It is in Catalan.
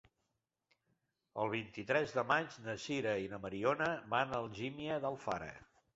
El vint-i-tres de maig na Sira i na Mariona van a Algímia d'Alfara.